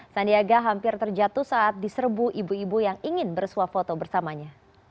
sandiaga hampir terjatuh saat diserbu ibu ibu yang ingin bersuah foto bersamanya